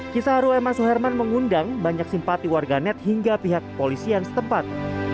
kisah ruah eman suherman mengundang banyak simpati warga net hingga pihak polisian setempat